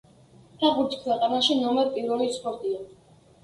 ფეხბურთი ქვეყანაში ნომერ პირველი სპორტია.